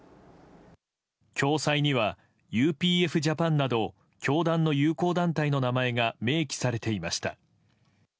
共催にはＵＰＦ‐Ｊａｐａｎなど教団の友好団体の名前が明記されていました。